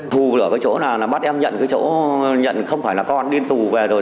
thù ở cái chỗ nào là bắt em nhận cái chỗ nhận không phải là con điên thù về rồi